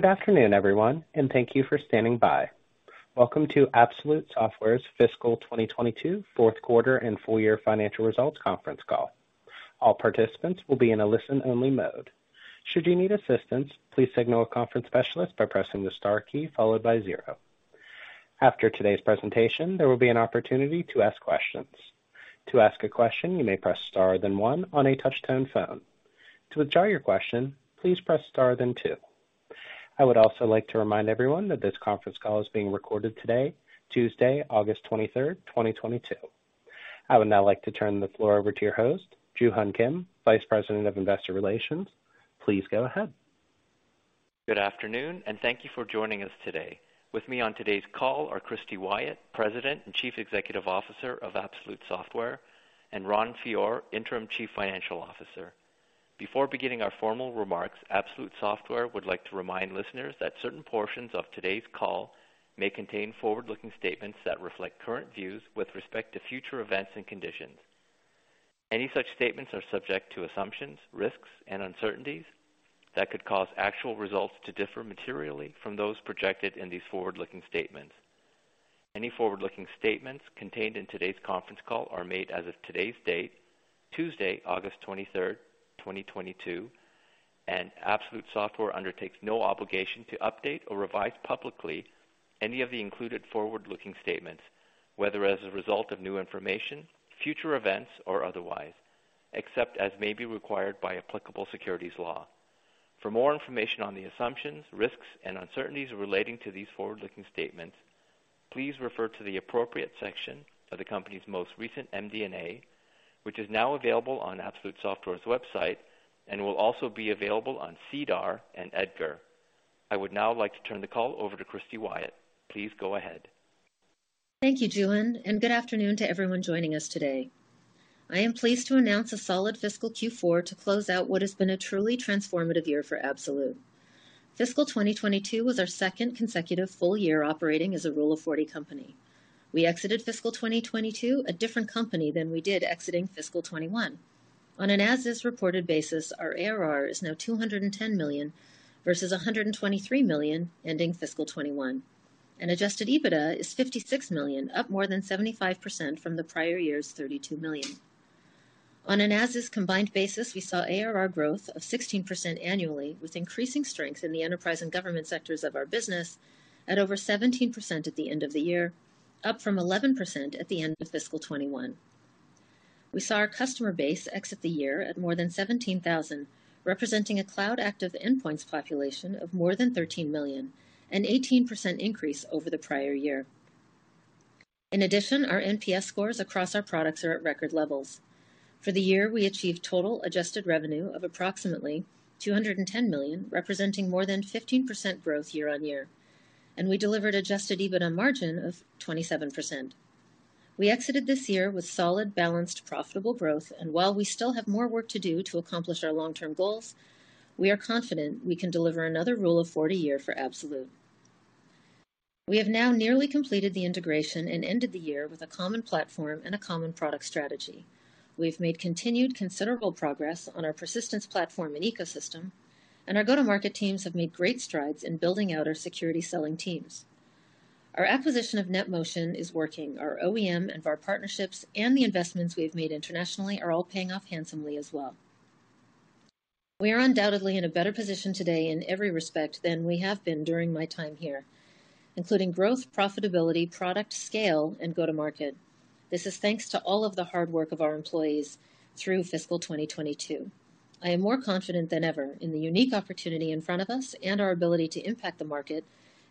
Good afternoon, everyone, and thank you for standing by. Welcome to Absolute Software's Fiscal 2022 Fourth Quarter and Full Year Financial Results Conference Call. All participants will be in a listen-only mode. Should you need assistance, please signal a conference specialist by pressing the star key followed by zero. After today's presentation, there will be an opportunity to ask questions. To ask a question, you may press star then one on a touch tone phone. To withdraw your question, please press star then two. I would also like to remind everyone that this conference call is being recorded today, Tuesday, August 23, 2022. I would now like to turn the floor over to your host, Joo-Hun Kim, Vice President of Investor Relations. Please go ahead. Good afternoon and thank you for joining us today. With me on today's call are Christy Wyatt, President and Chief Executive Officer of Absolute Software, and Ron Fior, Interim Chief Financial Officer. Before beginning our formal remarks, Absolute Software would like to remind listeners that certain portions of today's call may contain forward-looking statements that reflect current views with respect to future events and conditions. Any such statements are subject to assumptions, risks, and uncertainties that could cause actual results to differ materially from those projected in these forward-looking statements. Any forward-looking statements contained in today's conference call are made as of today's date, Tuesday, August 23rd, 2022, and Absolute Software undertakes no obligation to update or revise publicly any of the included forward-looking statements, whether as a result of new information, future events, or otherwise, except as may be required by applicable securities law. For more information on the assumptions, risks, and uncertainties relating to these forward-looking statements, please refer to the appropriate section of the company's most recent MD&A, which is now available on Absolute Software's website and will also be available on SEDAR and EDGAR. I would now like to turn the call over to Christy Wyatt. Please go ahead. Thank you, Joo-Hun, and good afternoon to everyone joining us today. I am pleased to announce a solid fiscal Q4 to close out what has been a truly transformative year for Absolute. Fiscal 2022 was our second consecutive full year operating as a Rule of 40 company. We exited fiscal 2022 a different company than we did exiting fiscal 2021. On an as-is reported basis, our ARR is now $210 million versus $123 million ending fiscal 2021. And adjusted EBITDA is $56 million, up more than 75% from the prior year's $32 million. On an as-is combined basis, we saw ARR growth of 16% annually, with increasing strength in the enterprise and government sectors of our business at over 17% at the end of the year, up from 11% at the end of fiscal 2021. We saw our customer base exit the year at more than 17,000, representing a cloud active endpoints population of more than 13 million, an 18% increase over the prior year. In addition, our NPS scores across our products are at record levels. For the year, we achieved total adjusted revenue of approximately 210 million, representing more than 15% growth year-over-year, and we delivered adjusted EBITDA margin of 27%. We exited this year with solid, balanced, profitable growth, and while we still have more work to do to accomplish our long-term goals, we are confident we can deliver another Rule of 40 year for Absolute. We have now nearly completed the integration and ended the year with a common platform and a common product strategy. We've made continued considerable progress on our Persistence platform and ecosystem, and our go-to-market teams have made great strides in building out our security selling teams. Our acquisition of NetMotion is working. Our OEM and VAR partnerships and the investments we've made internationally are all paying off handsomely as well. We are undoubtedly in a better position today in every respect than we have been during my time here, including growth, profitability, product scale, and go-to-market. This is thanks to all of the hard work of our employees through fiscal 2022. I am more confident than ever in the unique opportunity in front of us and our ability to impact the market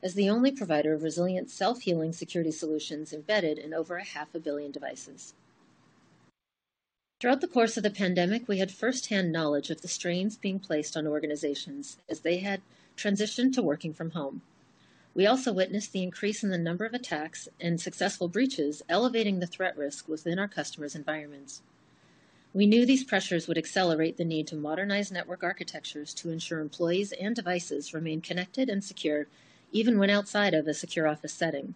as the only provider of resilient self-healing security solutions embedded in over 500 million devices. Throughout the course of the pandemic, we had firsthand knowledge of the strains being placed on organizations as they had transitioned to working from home. We also witnessed the increase in the number of attacks and successful breaches, elevating the threat risk within our customers environments. We knew these pressures would accelerate the need to modernize network architectures to ensure employees and devices remain connected and secure even when outside of a secure office setting.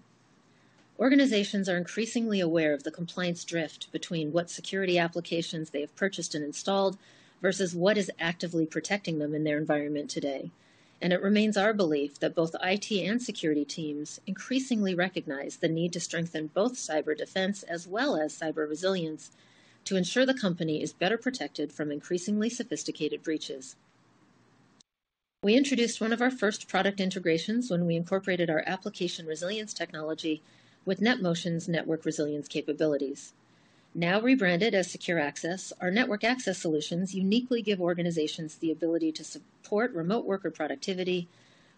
Organizations are increasingly aware of the compliance drift between what security applications they have purchased and installed versus what is actively protecting them in their environment today. It remains our belief that both IT and security teams increasingly recognize the need to strengthen both cyber defense as well as cyber resilience to ensure the company is better protected from increasingly sophisticated breaches. We introduced one of our first product integrations when we incorporated our application resilience technology with NetMotion's network resilience capabilities. Now rebranded as Secure Access, our network access solutions uniquely give organizations the ability to support remote worker productivity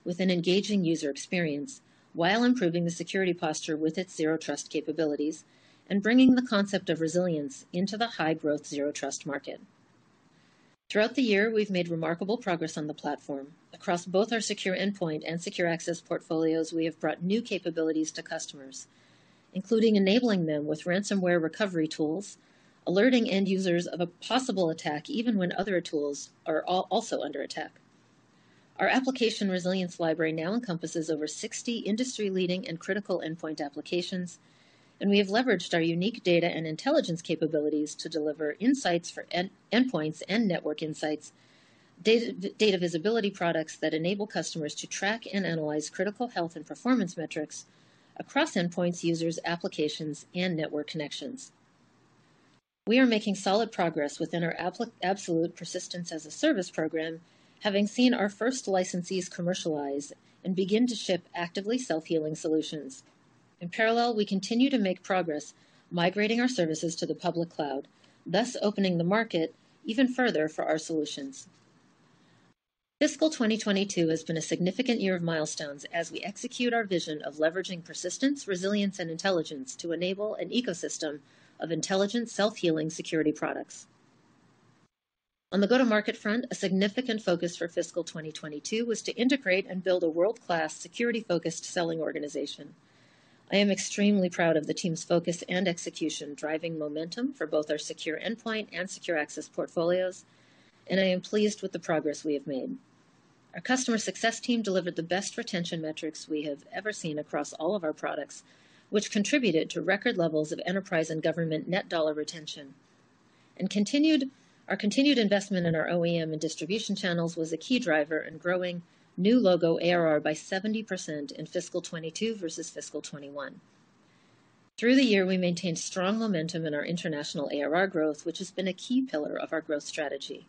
with an engaging user experience while improving the security posture with its zero trust capabilities and bringing the concept of resilience into the high growth zero trust market. Throughout the year, we've made remarkable progress on the platform. Across both our secure endpoint and secure access portfolios, we have brought new capabilities to customers, including enabling them with ransomware recovery tools, alerting end users of a possible attack even when other tools are also under attack. Our application resilience library now encompasses over 60 industry-leading and critical endpoint applications, and we have leveraged our unique data and intelligence capabilities to deliver insights for endpoints and network insights, data visibility products that enable customers to track and analyze critical health and performance metrics across endpoints, users, applications, and network connections. We are making solid progress within our Absolute Persistence as a Service program, having seen our first licensees commercialize and begin to ship actively self-healing solutions. In parallel, we continue to make progress migrating our services to the public cloud, thus opening the market even further for our solutions. Fiscal 2022 has been a significant year of milestones as we execute our vision of leveraging persistence, resilience, and intelligence to enable an ecosystem of intelligent self-healing security products. On the go-to-market front, a significant focus for fiscal 2022 was to integrate and build a world-class security-focused selling organization. I am extremely proud of the team's focus and execution, driving momentum for both our secure endpoint and secure access portfolios, and I am pleased with the progress we have made. Our customer success team delivered the best retention metrics we have ever seen across all of our products, which contributed to record levels of enterprise and government net dollar retention. Our continued investment in our OEM and distribution channels was a key driver in growing new logo ARR by 70% in fiscal 2022 versus fiscal 2021. Through the year, we maintained strong momentum in our international ARR growth, which has been a key pillar of our growth strategy.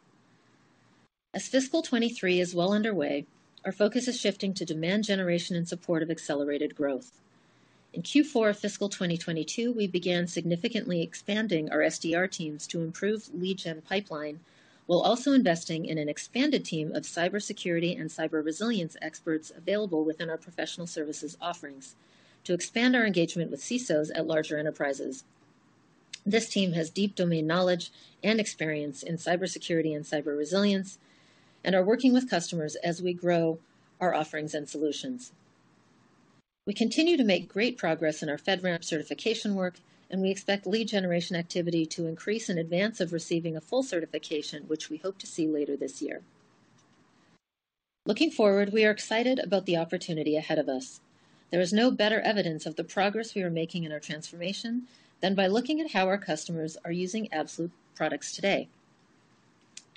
As fiscal 2023 is well underway, our focus is shifting to demand generation in support of accelerated growth. In Q4 of fiscal 2022, we began significantly expanding our SDR teams to improve lead gen pipeline while also investing in an expanded team of cybersecurity and cyber resilience experts available within our professional services offerings to expand our engagement with CISOs at larger enterprises. This team has deep domain knowledge and experience in cybersecurity and cyber resilience and are working with customers as we grow our offerings and solutions. We continue to make great progress in our FedRAMP certification work, and we expect lead generation activity to increase in advance of receiving a full certification, which we hope to see later this year. Looking forward, we are excited about the opportunity ahead of us. There is no better evidence of the progress we are making in our transformation than by looking at how our customers are using Absolute products today.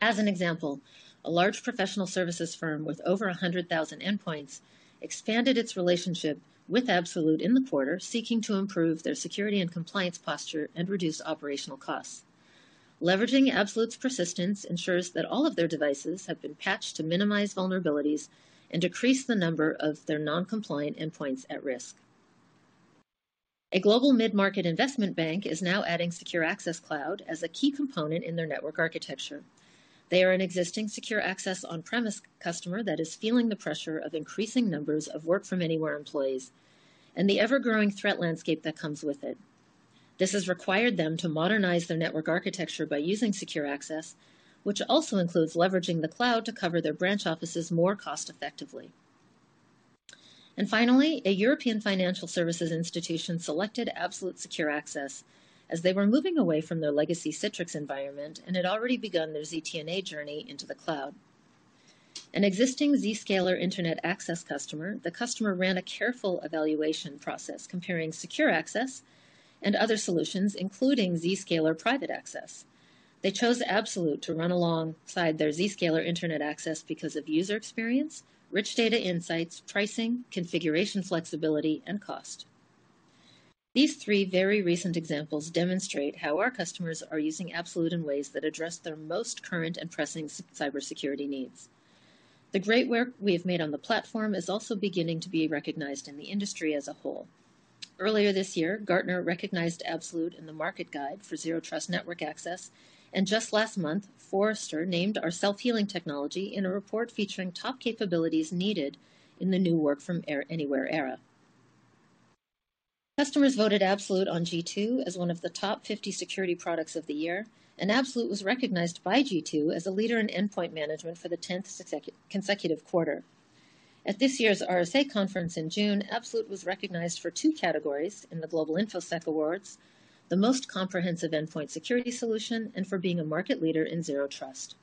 As an example, a large professional services firm with over 100,000 endpoints expanded its relationship with Absolute in the quarter, seeking to improve their security and compliance posture and reduce operational costs. Leveraging Absolute Persistence ensures that all of their devices have been patched to minimize vulnerabilities and decrease the number of their non-compliant endpoints at risk. A global mid-market investment bank is now adding Absolute Secure Access as a key component in their network architecture. They are an existing Absolute Secure Access on-premise customer that is feeling the pressure of increasing numbers of work-from-anywhere employees and the ever-growing threat landscape that comes with it. This has required them to modernize their network architecture by using secure access, which also includes leveraging the cloud to cover their branch offices more cost-effectively. Finally, a European financial services institution selected Absolute Secure Access as they were moving away from their legacy Citrix environment and had already begun their ZTNA journey into the cloud. An existing Zscaler Internet Access customer, the customer ran a careful evaluation process comparing secure access and other solutions, including Zscaler Private Access. They chose Absolute to run alongside their Zscaler Internet Access because of user experience, rich data insights, pricing, configuration flexibility, and cost. These three very recent examples demonstrate how our customers are using Absolute in ways that address their most current and pressing cybersecurity needs. The great work we have made on the platform is also beginning to be recognized in the industry as a whole. Earlier this year, Gartner recognized Absolute in the Market Guide for Zero Trust Network Access, and just last month, Forrester named our self-healing technology in a report featuring top capabilities needed in the new work-from-anywhere era. Customers voted Absolute on G2 as one of the top 50 security products of the year, and Absolute was recognized by G2 as a leader in endpoint management for the tenth consecutive quarter. At this year's RSA Conference in June, Absolute was recognized for two categories in the Global InfoSec Awards, the most comprehensive endpoint security solution, and for being a market leader in zero trust.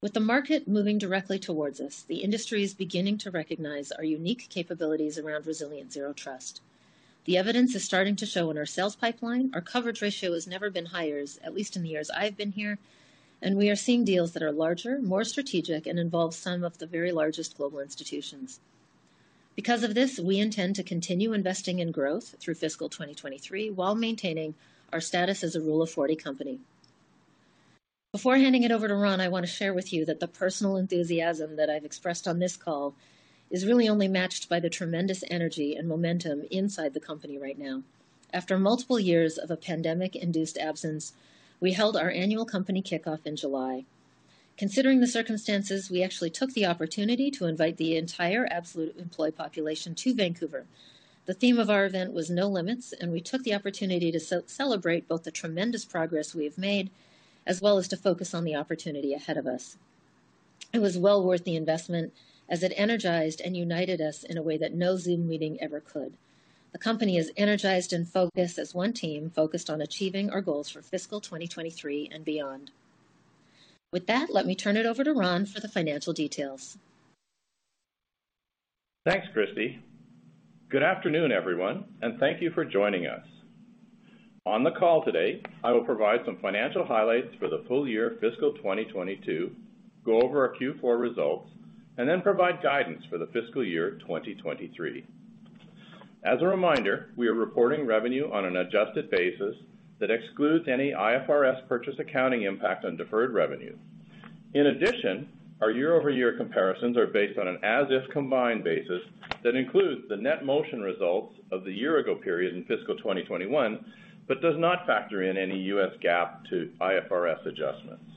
With the market moving directly towards us, the industry is beginning to recognize our unique capabilities around resilient zero trust. The evidence is starting to show in our sales pipeline. Our coverage ratio has never been higher, at least in the years I've been here, and we are seeing deals that are larger, more strategic, and involve some of the very largest global institutions. Because of this, we intend to continue investing in growth through fiscal 2023 while maintaining our status as a Rule of 40 company. Before handing it over to Ron, I want to share with you that the personal enthusiasm that I've expressed on this call is really only matched by the tremendous energy and momentum inside the company right now. After multiple years of a pandemic-induced absence, we held our annual company kickoff in July. Considering the circumstances, we actually took the opportunity to invite the entire Absolute employee population to Vancouver. The theme of our event was No Limits, and we took the opportunity to celebrate both the tremendous progress we have made, as well as to focus on the opportunity ahead of us. It was well worth the investment as it energized and united us in a way that no Zoom meeting ever could. The company is energized and focused as one team focused on achieving our goals for fiscal 2023 and beyond. With that, let me turn it over to Ron for the financial details. Thanks, Christy. Good afternoon, everyone, and thank you for joining us. On the call today, I will provide some financial highlights for the full year fiscal 2022, go over our Q4 results, and then provide guidance for the fiscal year 2023. As a reminder, we are reporting revenue on an adjusted basis that excludes any IFRS purchase accounting impact on deferred revenue. In addition, our year-over-year comparisons are based on an as-if combined basis that includes the NetMotion results of the year ago period in fiscal 2021, but does not factor in any U.S. GAAP to IFRS adjustments.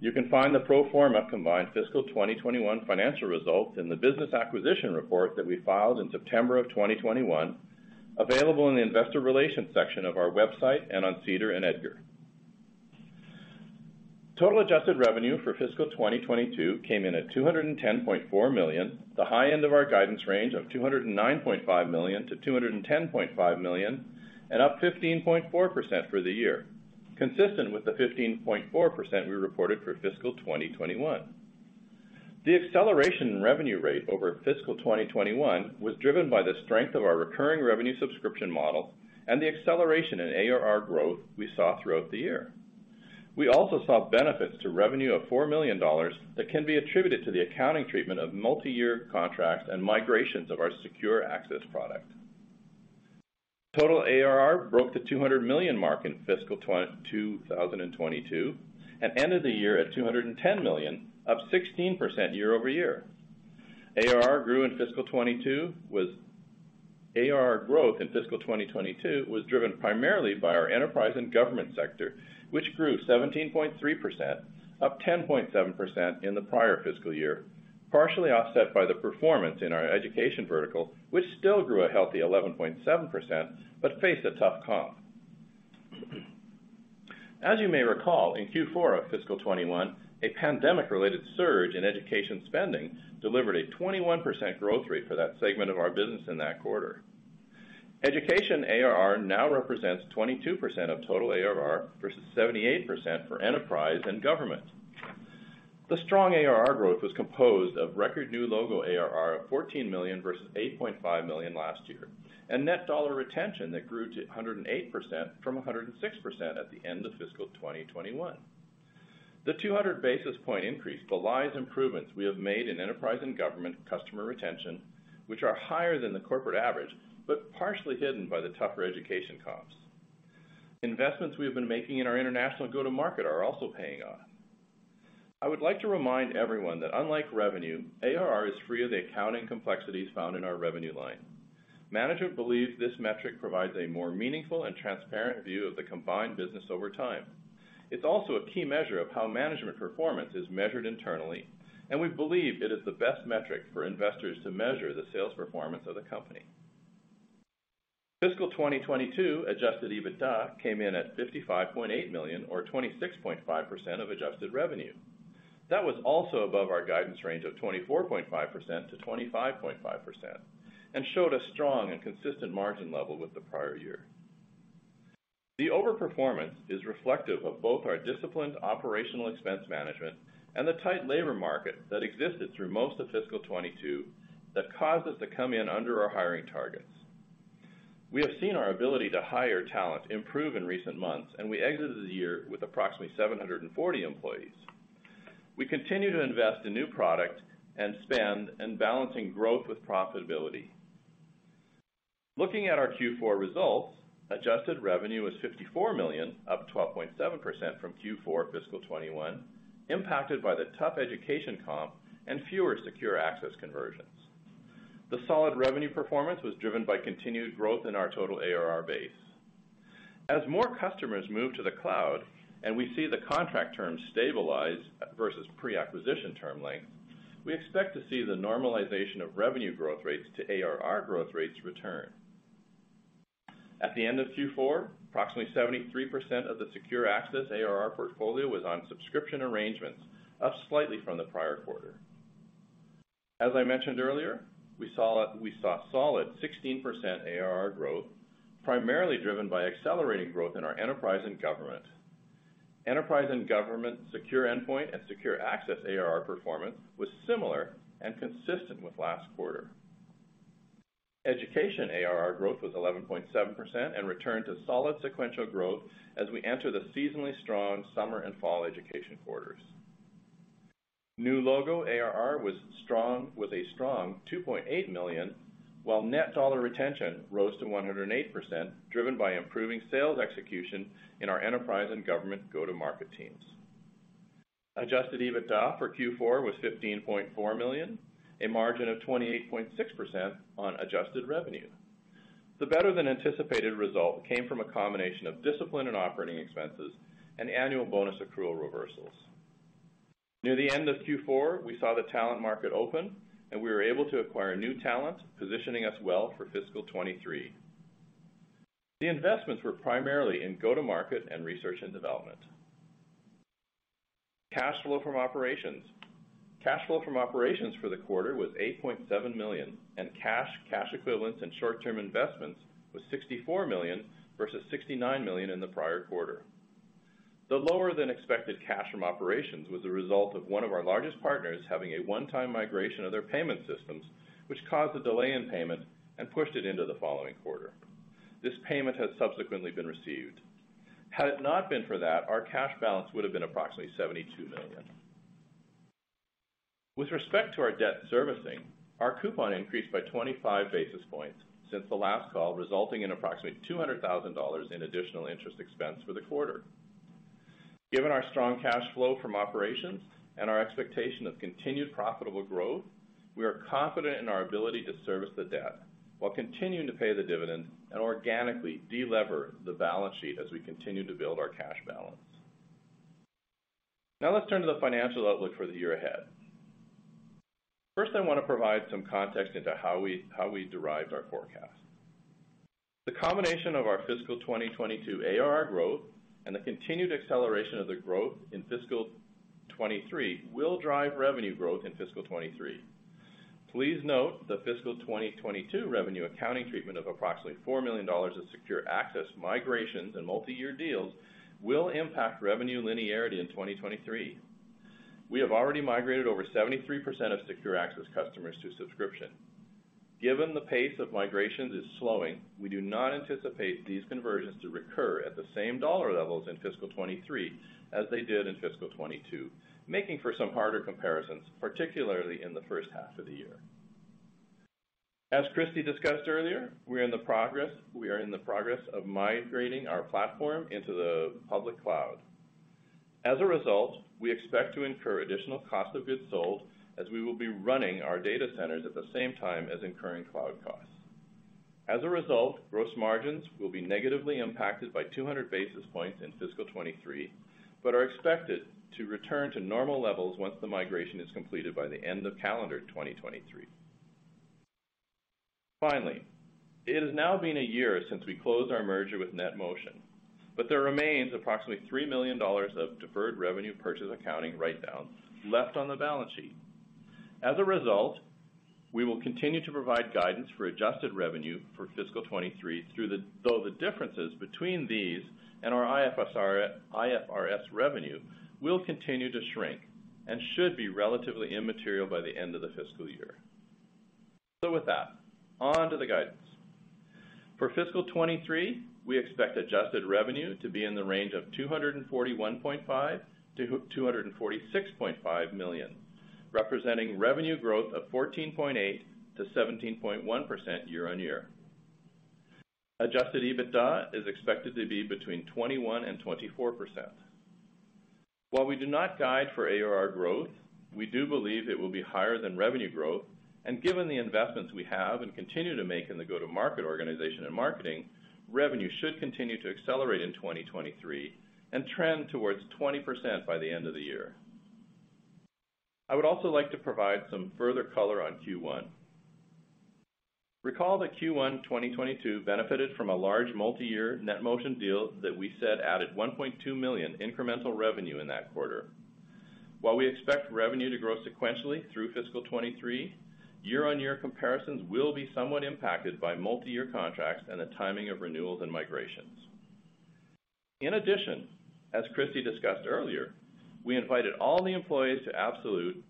You can find the pro forma combined fiscal 2021 financial results in the business acquisition report that we filed in September of 2021, available in the investor relations section of our website and on SEDAR and EDGAR. Total adjusted revenue for fiscal 2022 came in at $210.4 million, the high end of our guidance range of $209.5 million-$210.5 million, and up 15.4% for the year, consistent with the 15.4% we reported for fiscal 2021. The acceleration in revenue rate over fiscal 2021 was driven by the strength of our recurring revenue subscription model and the acceleration in ARR growth we saw throughout the year. We also saw benefits to revenue of $4 million that can be attributed to the accounting treatment of multi-year contracts and migrations of our Secure Access product. Total ARR broke the $200 million mark in fiscal 2022 and ended the year at $210 million, up 16% year-over-year. ARR growth in fiscal 2022 was driven primarily by our enterprise and government sector, which grew 17.3%, up 10.7% in the prior fiscal year, partially offset by the performance in our education vertical, which still grew a healthy 11.7%, but faced a tough comp. As you may recall, in Q4 of fiscal 2021, a pandemic-related surge in education spending delivered a 21% growth rate for that segment of our business in that quarter. Education ARR now represents 22% of total ARR versus 78% for enterprise and government. The strong ARR growth was composed of record new logo ARR of $14 million versus $8.5 million last year and net dollar retention that grew to 108% from 106% at the end of fiscal 2021. The 200 basis point increase belies improvements we have made in enterprise and government customer retention, which are higher than the corporate average, but partially hidden by the tougher education comps. Investments we have been making in our international go-to-market are also paying off. I would like to remind everyone that unlike revenue, ARR is free of the accounting complexities found in our revenue line. Management believes this metric provides a more meaningful and transparent view of the combined business over time. It's also a key measure of how management performance is measured internally, and we believe it is the best metric for investors to measure the sales performance of the company. Fiscal 2022 adjusted EBITDA came in at 55.8 million or 26.5% of adjusted revenue. That was also above our guidance range of 24.5%-25.5% and showed a strong and consistent margin level with the prior year. The overperformance is reflective of both our disciplined operational expense management and the tight labor market that existed through most of fiscal 2022 that caused us to come in under our hiring targets. We have seen our ability to hire talent improve in recent months, and we exited the year with approximately 740 employees. We continue to invest in new product and spend in balancing growth with profitability. Looking at our Q4 results, adjusted revenue was 54 million, up 12.7% from Q4 fiscal 2021, impacted by the tough education comp and fewer secure access conversions. The solid revenue performance was driven by continued growth in our total ARR base. As more customers move to the cloud and we see the contract terms stabilize versus pre-acquisition term length, we expect to see the normalization of revenue growth rates to ARR growth rates return. At the end of Q4, approximately 73% of the secure access ARR portfolio was on subscription arrangements, up slightly from the prior quarter. As I mentioned earlier, we saw solid 16% ARR growth, primarily driven by accelerating growth in our enterprise and government. Enterprise and government secure endpoint and secure access ARR performance was similar and consistent with last quarter. Education ARR growth was 11.7% and returned to solid sequential growth as we enter the seasonally strong summer and fall education quarters. New logo ARR was strong, with a strong 2.8 million, while Net Dollar Retention rose to 108%, driven by improving sales execution in our enterprise and government go-to-market teams. Adjusted EBITDA for Q4 was 15.4 million, a margin of 28.6% on adjusted revenue. The better-than-anticipated result came from a combination of discipline in operating expenses and annual bonus accrual reversals. Near the end of Q4, we saw the talent market open, and we were able to acquire new talent, positioning us well for fiscal 2023. The investments were primarily in go-to-market and research and development. Cash flow from operations. Cash flow from operations for the quarter was $8.7 million, and cash equivalents, and short-term investments was $64 million, versus $69 million in the prior quarter. The lower than expected cash from operations was a result of one of our largest partners having a one-time migration of their payment systems, which caused a delay in payment and pushed it into the following quarter. This payment has subsequently been received. Had it not been for that, our cash balance would have been approximately $72 million. With respect to our debt servicing, our coupon increased by 25 basis points since the last call, resulting in approximately $200,000 in additional interest expense for the quarter. Given our strong cash flow from operations and our expectation of continued profitable growth, we are confident in our ability to service the debt while continuing to pay the dividend and organically de-lever the balance sheet as we continue to build our cash balance. Now let's turn to the financial outlook for the year ahead. First, I wanna provide some context into how we derived our forecast. The combination of our fiscal 2022 ARR growth and the continued acceleration of the growth in fiscal 2023 will drive revenue growth in fiscal 2023. Please note the fiscal 2022 revenue accounting treatment of approximately $4 million of secure access migrations and multi-year deals will impact revenue linearity in 2023. We have already migrated over 73% of secure access customers to subscription. Given the pace of migrations is slowing, we do not anticipate these conversions to recur at the same dollar levels in fiscal 2023 as they did in fiscal 2022, making for some harder comparisons, particularly in the first half of the year. As Christy discussed earlier, we are in the progress of migrating our platform into the public cloud. As a result, we expect to incur additional cost of goods sold as we will be running our data centers at the same time as incurring cloud costs. As a result, gross margins will be negatively impacted by 200 basis points in fiscal 2023, but are expected to return to normal levels once the migration is completed by the end of calendar 2023. Finally, it has now been a year since we closed our merger with NetMotion, but there remains approximately $3 million of deferred revenue purchase accounting write-down left on the balance sheet. As a result, we will continue to provide guidance for adjusted revenue for fiscal 2023 though the differences between these and our IFRS revenue will continue to shrink and should be relatively immaterial by the end of the fiscal year. With that, on to the guidance. For fiscal 2023, we expect adjusted revenue to be in the range of $241.5 million-$246.5 million, representing revenue growth of 14.8%-17.1% year-on-year. Adjusted EBITDA is expected to be between 21%-24%. While we do not guide for ARR growth, we do believe it will be higher than revenue growth, and given the investments we have and continue to make in the go-to-market organization and marketing, revenue should continue to accelerate in 2023 and trend towards 20% by the end of the year. I would also like to provide some further color on Q1. Recall that Q1 2022 benefited from a large multi-year NetMotion deal that we said added 1.2 million incremental revenue in that quarter. While we expect revenue to grow sequentially through fiscal 2023, year-on-year comparisons will be somewhat impacted by multi-year contracts and the timing of renewals and migrations. In addition, as Christy discussed earlier, we invited all the employees to Absolute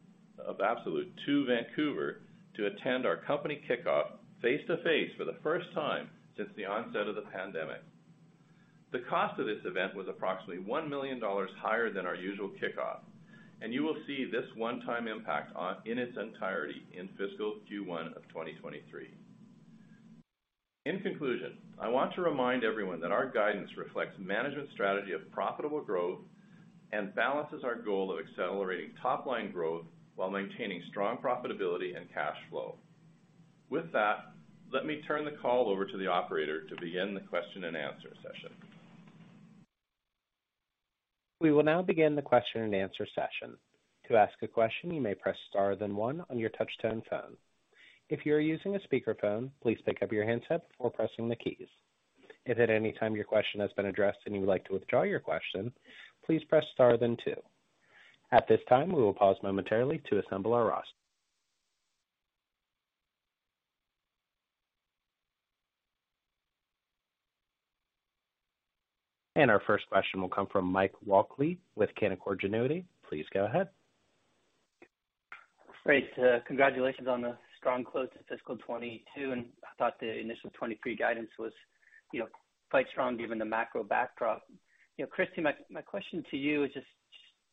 to Vancouver to attend our company kickoff face-to-face for the first time since the onset of the pandemic. The cost of this event was approximately 1 million dollars higher than our usual kickoff, and you will see this one-time impact in its entirety in fiscal Q1 of 2023. In conclusion, I want to remind everyone that our guidance reflects management strategy of profitable growth and balances our goal of accelerating top-line growth while maintaining strong profitability and cash flow. With that, let me turn the call over to the operator to begin the question and answer session. We will now begin the question and answer session. To ask a question, you may press star then one on your touch tone phone. If you are using a speakerphone, please pick up your handset before pressing the keys. If at any time your question has been addressed and you would like to withdraw your question, please press star then two. At this time, we will pause momentarily to assemble our roster. Our first question will come from Mike Walkley with Canaccord Genuity. Please go ahead. Great. Congratulations on the strong close to fiscal 2022. I thought the initial 2023 guidance was quite strong given the macro backdrop. Christy, my question to you is just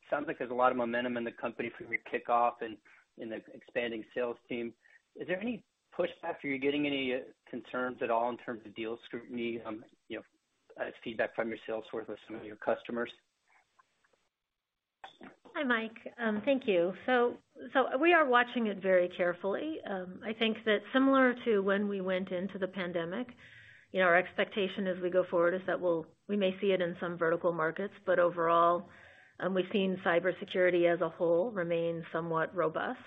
sounds like there's a lot of momentum in the company for your kickoff and in the expanding sales team. Is there any pushback? Are you getting any concerns at all in terms of deal scrutiny, feedback from your sales force with some of your customers? Hi, Mike. Thank you. We are watching it very carefully. I think that similar to when we went into the pandemic, you know, our expectation as we go forward is that we may see it in some vertical markets, but overall, we've seen cybersecurity as a whole remain somewhat robust.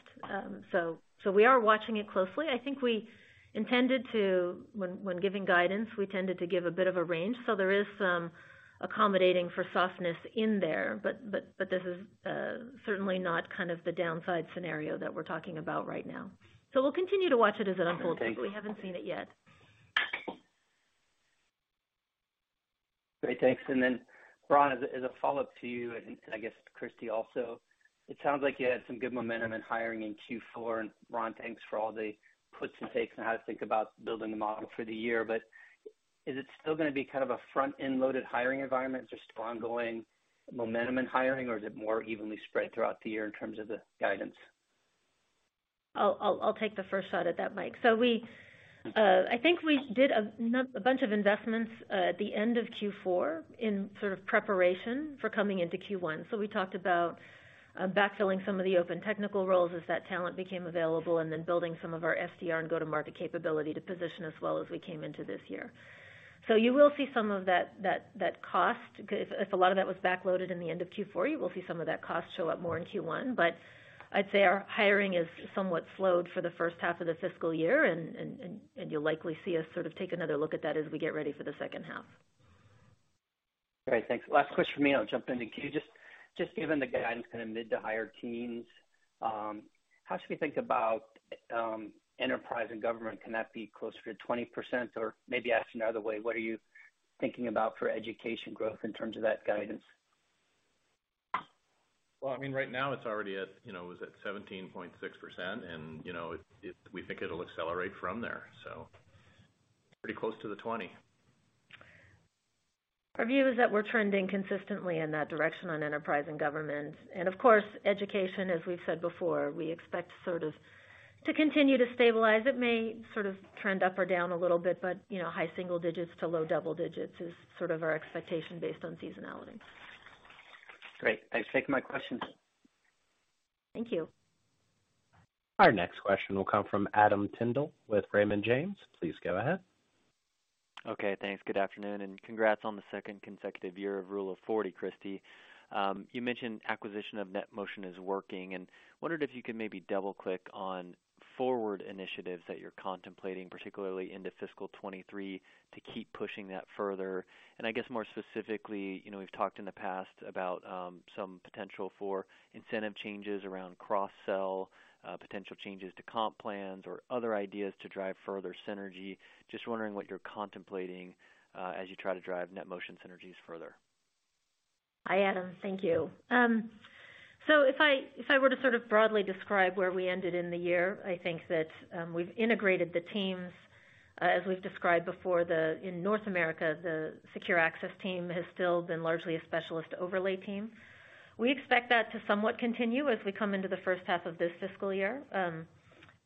We are watching it closely. I think when giving guidance, we tended to give a bit of a range, so there is some accommodating for softness in there, but this is certainly not kind of the downside scenario that we're talking about right now. We'll continue to watch it as it unfolds, but we haven't seen it yet. Great, thanks. Then Ron, as a follow-up to you and I guess Christy also, it sounds like you had some good momentum in hiring in Q4. Ron, thanks for all the puts and takes on how to think about building the model for the year. Is it still gonna be kind of a front-end loaded hiring environment? Is there still ongoing momentum in hiring or is it more evenly spread throughout the year in terms of the guidance? I'll take the first shot at that, Mike. We, I think we did a bunch of investments at the end of Q4 in sort of preparation for coming into Q1. We talked about backfilling some of the open technical roles as that talent became available, and then building some of our SDR and go-to-market capability to position us well as we came into this year. You will see some of that cost. If a lot of that was backloaded in the end of Q4, you will see some of that cost show up more in Q1. I'd say our hiring is somewhat slowed for the first half of the fiscal year and you'll likely see us sort of take another look at that as we get ready for the second half. Great, thanks. Last question for me, I'll jump into queue. Just given the guidance kind of mid- to higher-teens, how should we think about enterprise and government? Can that be closer to 20%? Or maybe asked another way, what are you thinking about for education growth in terms of that guidance? Well, I mean, right now it's already at, you know, it was at 17.6% and, you know, we think it'll accelerate from there, so pretty close to the 20%. Our view is that we're trending consistently in that direction on enterprise and government. Of course, education, as we've said before, we expect sort of to continue to stabilize. It may sort of trend up or down a little bit, but you know, high single digits to low double digits is sort of our expectation based on seasonality. Great. Thanks. Taking my questions. Thank you. Our next question will come from Adam Tindle with Raymond James. Please go ahead. Okay, thanks. Good afternoon, and congrats on the second consecutive year of Rule of 40, Christy. You mentioned acquisition of NetMotion is working, and wondered if you could maybe double-click on forward initiatives that you're contemplating, particularly into fiscal 2023 to keep pushing that further. I guess more specifically, you know, we've talked in the past about some potential for incentive changes around cross-sell, potential changes to comp plans or other ideas to drive further synergy. Just wondering what you're contemplating as you try to drive NetMotion synergies further. Hi, Adam. Thank you. If I were to sort of broadly describe where we ended in the year, I think that we've integrated the teams. As we've described before, in North America, the Secure Access team has still been largely a specialist overlay team. We expect that to somewhat continue as we come into the first half of this fiscal year.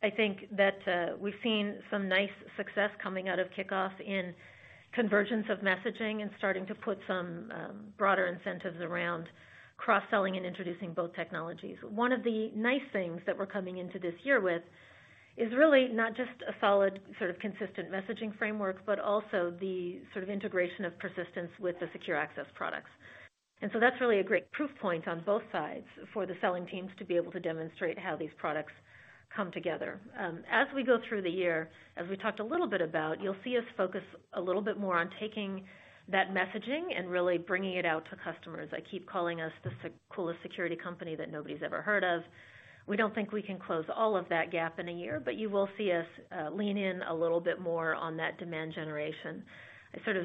I think that we've seen some nice success coming out of kickoff and convergence of messaging and starting to put some broader incentives around cross-selling and introducing both technologies. One of the nice things that we're coming into this year with is really not just a solid sort of consistent messaging framework, but also the sort of integration of Persistence with the Secure Access products. That's really a great proof point on both sides for the selling teams to be able to demonstrate how these products come together. As we go through the year, as we talked a little bit about, you'll see us focus a little bit more on taking that messaging and really bringing it out to customers. I keep calling us the coolest security company that nobody's ever heard of. We don't think we can close all of that gap in a year, but you will see us lean in a little bit more on that demand generation. I sort of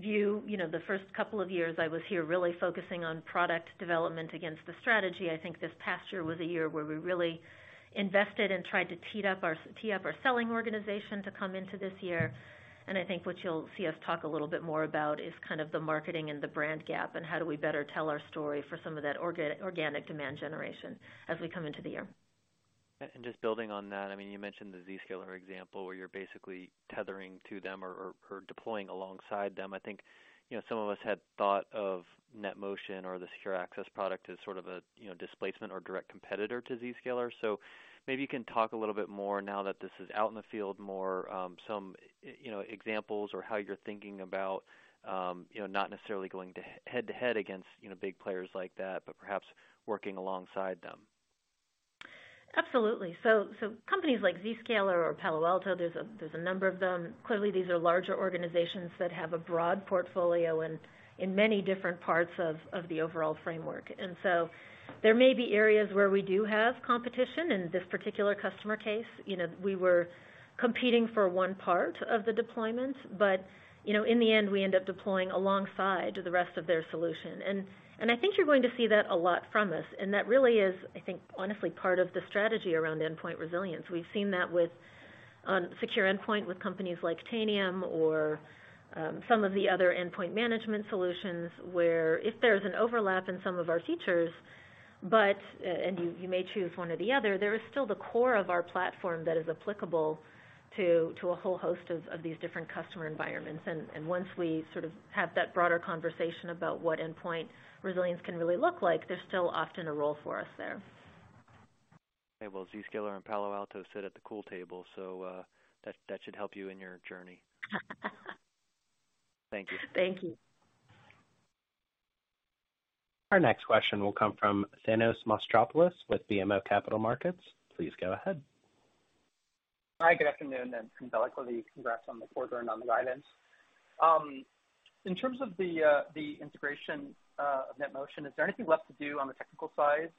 view, you know, the first couple of years I was here really focusing on product development against the strategy. I think this past year was a year where we really invested and tried to tee up our selling organization to come into this year. I think what you'll see us talk a little bit more about is kind of the marketing and the brand gap, and how do we better tell our story for some of that organic demand generation as we come into the year. Just building on that, I mean, you mentioned the Zscaler example where you're basically tethering to them or deploying alongside them. I think, you know, some of us had thought of NetMotion or the secure access product as sort of a, you know, displacement or direct competitor to Zscaler. Maybe you can talk a little bit more now that this is out in the field more, some, you know, examples or how you're thinking about, you know, not necessarily going to head to head against, you know, big players like that, but perhaps working alongside them. Absolutely. Companies like Zscaler or Palo Alto, there's a number of them. Clearly, these are larger organizations that have a broad portfolio and in many different parts of the overall framework. There may be areas where we do have competition. In this particular customer case, you know, we were competing for one part of the deployment, but, you know, in the end, we end up deploying alongside the rest of their solution. I think you're going to see that a lot from us, and that really is, I think, honestly, part of the strategy around endpoint resilience. We've seen that with Absolute Secure Endpoint with companies like Tanium or some of the other endpoint management solutions, where if there's an overlap in some of our features, but and you may choose one or the other, there is still the core of our platform that is applicable to a whole host of these different customer environments. Once we sort of have that broader conversation about what endpoint resilience can really look like, there's still often a role for us there. Okay. Well, Zscaler and Palo Alto sit at the cool table, so, that should help you in your journey. Thank you. Thank you. Our next question will come from Thanos Moschopoulos with BMO Capital Markets. Please go ahead. Hi, good afternoon. Congratulations. Congrats on the quarter and on the guidance. In terms of the integration of NetMotion, is there anything left to do on the technical side?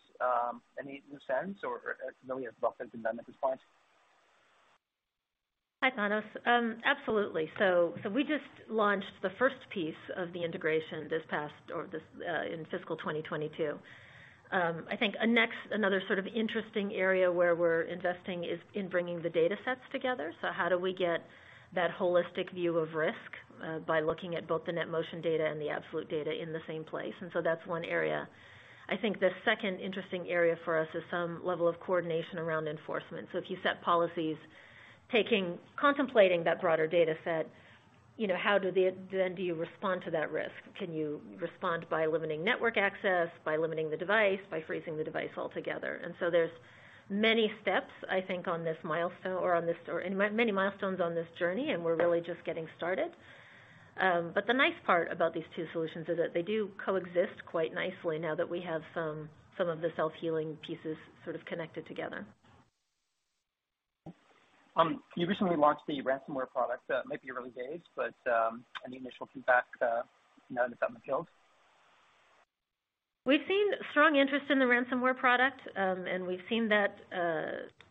Any loose ends or, you know, yeah, rough edges that need to be polished? Hi, Thanos. Absolutely. We just launched the first piece of the integration this past or this in fiscal 2022. I think another sort of interesting area where we're investing is in bringing the datasets together. How do we get that holistic view of risk by looking at both the NetMotion data and the Absolute data in the same place? That's one area. I think the second interesting area for us is some level of coordination around enforcement. If you set policies contemplating that broader data set, you know, then do you respond to that risk? Can you respond by limiting network access, by limiting the device, by freezing the device altogether? There's many steps, I think, or many milestones on this journey, and we're really just getting started. The nice part about these two solutions is that they do coexist quite nicely now that we have some of the self-healing pieces sort of connected together. You recently launched the ransomware product. Might be early days, but any initial feedback, you know, out in the field? We've seen strong interest in the ransomware product, and we've seen that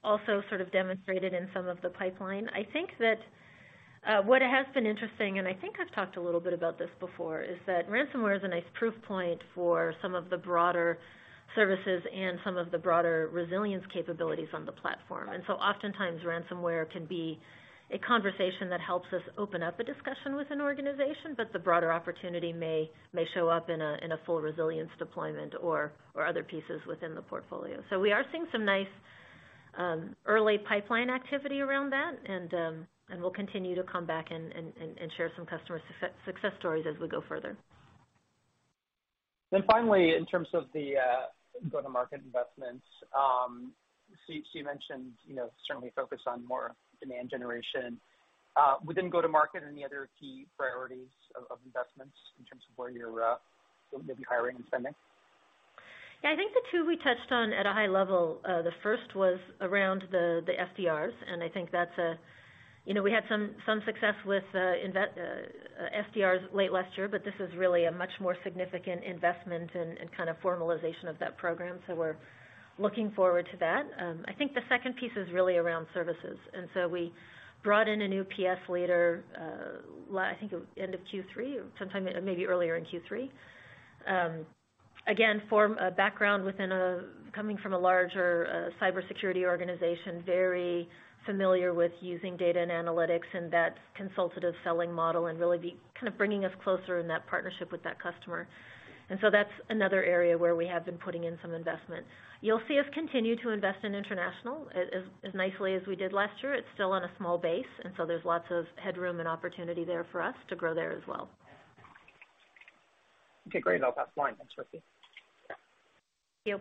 also sort of demonstrated in some of the pipeline. I think that what has been interesting, and I think I've talked a little bit about this before, is that ransomware is a nice proof point for some of the broader services and some of the broader resilience capabilities on the platform. Oftentimes, ransomware can be a conversation that helps us open up a discussion with an organization, but the broader opportunity may show up in a full resilience deployment or other pieces within the portfolio. We are seeing some nice early pipeline activity around that. We'll continue to come back and share some customer success stories as we go further. Finally, in terms of the go-to-market investments, so you mentioned, you know, certainly focus on more demand generation. Within go-to-market, any other key priorities of investments in terms of where you're maybe hiring and spending? Yeah. I think the two we touched on at a high level, the first was around the SDRs, and I think that's. You know, we had some success with SDRs late last year, but this is really a much more significant investment and kind of formalization of that program. So we're looking forward to that. I think the second piece is really around services. We brought in a new PS leader, late I think end of Q3 or sometime maybe earlier in Q3. Again, from a background coming from a larger cybersecurity organization, very familiar with using data and analytics and that consultative selling model and really kind of bringing us closer in that partnership with that customer. That's another area where we have been putting in some investment. You'll see us continue to invest in international as nicely as we did last year. It's still on a small base, and so there's lots of headroom and opportunity there for us to grow there as well. Okay, great. I'll pass the line. Thanks, Christy. Thank you.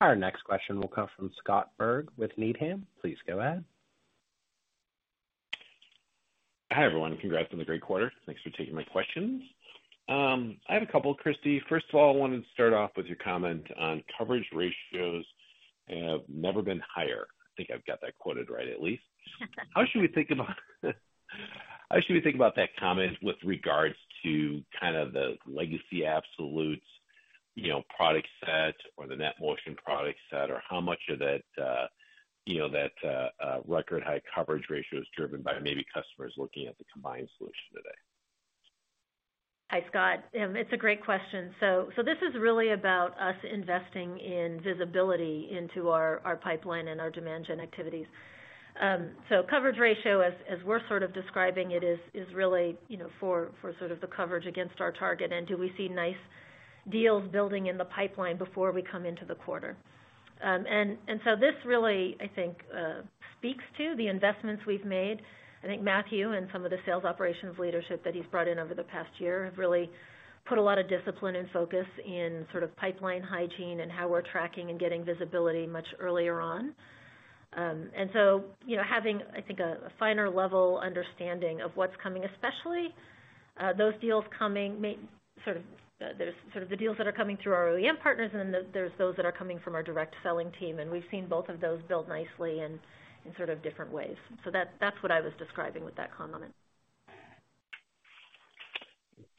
Our next question will come from Scott Berg with Needham. Please go ahead. Hi, everyone. Congrats on the great quarter. Thanks for taking my questions. I have a couple, Christy. First of all, I wanted to start off with your comment on coverage ratios have never been higher. I think I've got that quoted right, at least. How should we think about that comment with regards to kind of the legacy Absolute's, you know, product set or the NetMotion product set? Or how much of that, you know, record high coverage ratio is driven by maybe customers looking at the combined solution today? Hi, Scott. It's a great question. This is really about us investing in visibility into our pipeline and our demand gen activities. Coverage ratio, as we're sort of describing it, is really, you know, for sort of the coverage against our target and do we see nice deals building in the pipeline before we come into the quarter. This really, I think, speaks to the investments we've made. I think Matthew and some of the sales operations leadership that he's brought in over the past year have really put a lot of discipline and focus in sort of pipeline hygiene and how we're tracking and getting visibility much earlier on. You know, having, I think, a finer level understanding of what's coming, especially those deals coming may. Sort of, there's sort of the deals that are coming through our OEM partners and then there's those that are coming from our direct selling team, and we've seen both of those build nicely in sort of different ways. That, that's what I was describing with that comment.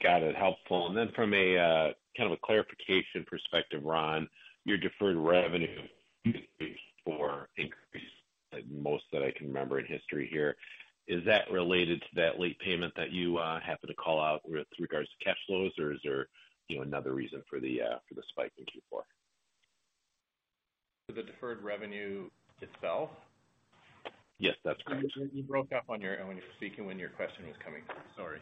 Got it. Helpful. From a kind of a clarification perspective, Ron, your deferred revenue increase is the most that I can remember in history here. Is that related to that late payment that you happened to call out with regards to cash flows, or is there, you know, another reason for the spike in Q4? To the deferred revenue itself? Yes, that's correct. You broke up on your end when you were speaking, when your question was coming through. Sorry.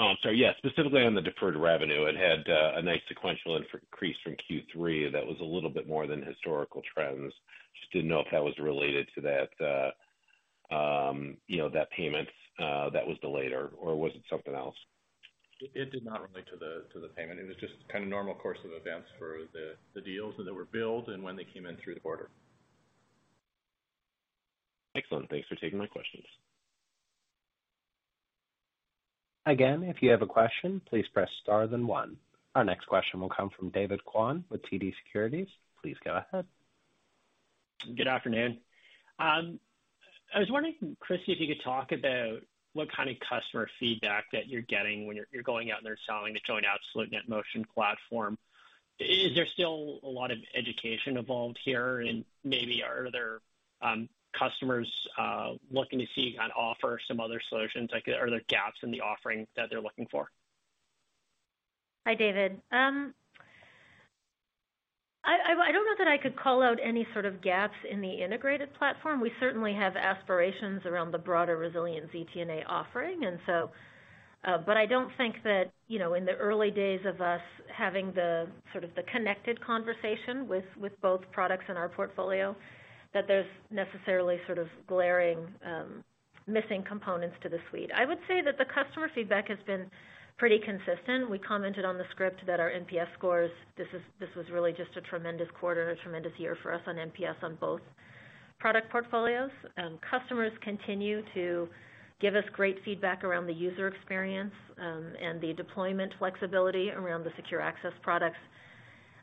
Oh, I'm sorry. Yeah. Specifically on the deferred revenue, it had a nice sequential increase from Q3. That was a little bit more than historical trends. Just didn't know if that was related to that, you know, that payment that was delayed or was it something else? It did not relate to the payment. It was just kind of normal course of events for the deals that were built and when they came in through the quarter. Excellent. Thanks for taking my questions. Again, if you have a question, please press star then one. Our next question will come from David Kwan with TD Securities. Please go ahead. Good afternoon. I was wondering, Christy, if you could talk about what kind of customer feedback that you're getting when you're going out there selling the joint Absolute NetMotion platform. Is there still a lot of education involved here? Maybe are there customers looking to see on offer some other solutions? Like, are there gaps in the offering that they're looking for? Hi, David. I don't know that I could call out any sort of gaps in the integrated platform. We certainly have aspirations around the broader resilience ZTNA offering. But I don't think that, you know, in the early days of us having the sort of connected conversation with both products in our portfolio, that there's necessarily sort of glaring, missing components to the suite. I would say that the customer feedback has been pretty consistent. We commented on the script that our NPS scores, this was really just a tremendous quarter, a tremendous year for us on NPS on both product portfolios. Customers continue to give us great feedback around the user experience and the deployment flexibility around the secure access products.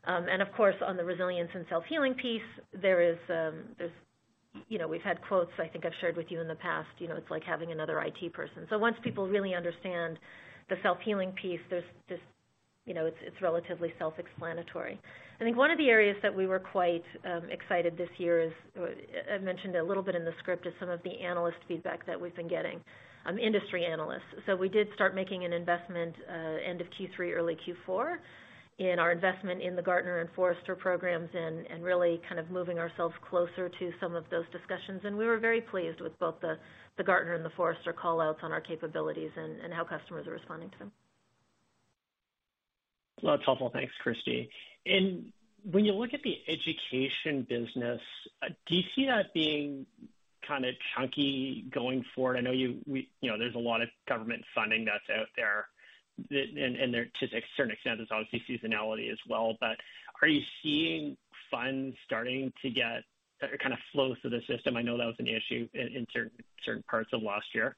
Of course, on the resilience and self-healing piece, there's, you know, we've had quotes I think I've shared with you in the past. You know, it's like having another IT person. Once people really understand the self-healing piece, there's this, you know, it's relatively self-explanatory. I think one of the areas that we were quite excited this year is, I mentioned a little bit in the script, is some of the analyst feedback that we've been getting, industry analysts. We did start making an investment, end of Q3, early Q4 in our investment in the Gartner and Forrester programs, and really kind of moving ourselves closer to some of those discussions. We were very pleased with both the Gartner and the Forrester call-outs on our capabilities and how customers are responding to them. Well, that's helpful. Thanks, Christy. When you look at the education business, do you see that being kinda chunky going forward? I know, you know, there's a lot of government funding that's out there. There, to a certain extent, there's obviously seasonality as well. Are you seeing funds starting to get or kinda flow through the system? I know that was an issue in certain parts of last year.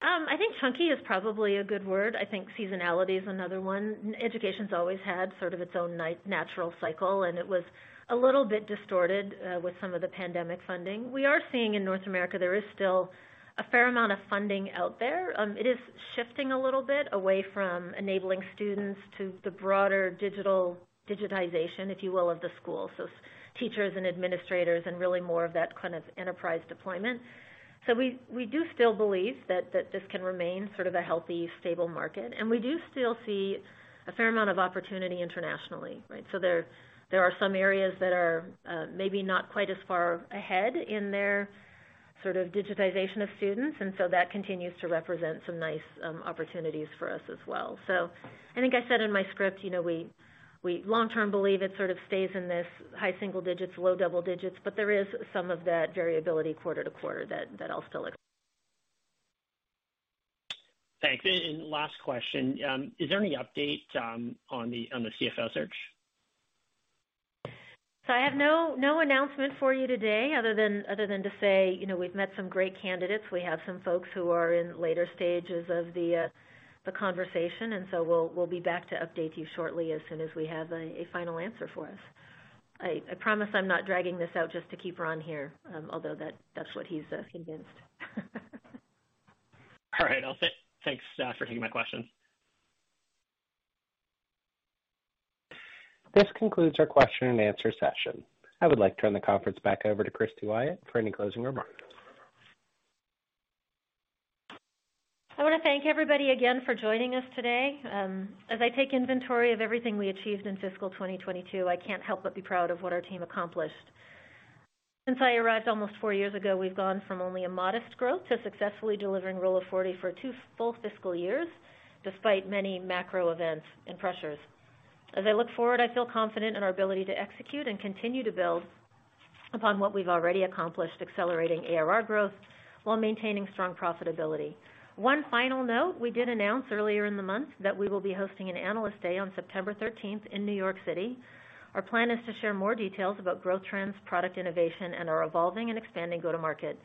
I think chunky is probably a good word. I think seasonality is another one. Education's always had sort of its own natural cycle, and it was a little bit distorted with some of the pandemic funding. We are seeing in North America there is still a fair amount of funding out there. It is shifting a little bit away from enabling students to the broader digital digitization, if you will, of the school. Teachers and administrators and really more of that kind of enterprise deployment. We do still believe that this can remain sort of a healthy, stable market, and we do still see a fair amount of opportunity internationally, right? There are some areas that are maybe not quite as far ahead in their sort of digitization of students, and so that continues to represent some nice opportunities for us as well. I think I said in my script, you know, we long term believe it sort of stays in this high single digits, low double digits, but there is some of that variability quarter to quarter that I'll still look. Thanks. Last question, is there any update on the CFO search? I have no announcement for you today other than to say, you know, we've met some great candidates. We have some folks who are in later stages of the conversation. We'll be back to update you shortly as soon as we have a final answer for us. I promise I'm not dragging this out just to keep Ron here, although that's what he's convinced. All right. I'll say thanks for taking my questions. This concludes our question and answer session. I would like to turn the conference back over to Christy Wyatt for any closing remarks. I wanna thank everybody again for joining us today. As I take inventory of everything we achieved in fiscal 2022, I can't help but be proud of what our team accomplished. Since I arrived almost four years ago, we've gone from only a modest growth to successfully delivering Rule of 40 for two full fiscal years, despite many macro events and pressures. As I look forward, I feel confident in our ability to execute and continue to build upon what we've already accomplished, accelerating ARR growth while maintaining strong profitability. One final note, we did announce earlier in the month that we will be hosting an Analyst Day on September thirteenth in New York City. Our plan is to share more details about growth trends, product innovation, and our evolving and expanding go-to-market.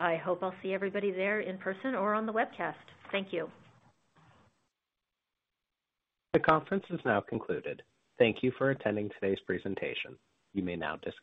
I hope I'll see everybody there in person or on the webcast. Thank you. The conference is now concluded. Thank you for attending today's presentation. You may now disconnect.